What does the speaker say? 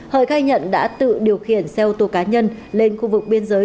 hợi gai nhận đã tự điều khiển xe ô tô cá nhân lên khu vực biên giới